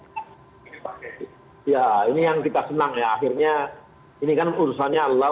ya ini yang kita senang ya akhirnya ini kan urusannya allah